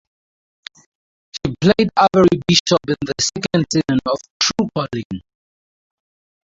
She played Avery Bishop in the second season of "Tru Calling".